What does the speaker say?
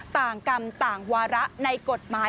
ต่างกรรมต่างวาระในกฎหมาย